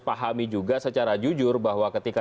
pahami juga secara jujur bahwa ketika